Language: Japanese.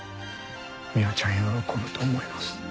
海音ちゃん喜ぶと思います。